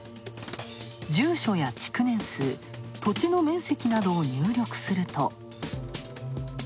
住所や築年数、土地の面積などを入力すると。